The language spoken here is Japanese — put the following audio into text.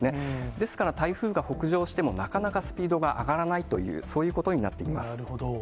ですから、台風が北上しても、なかなかスピードが上がらないという、そういうことになっていまなるほど。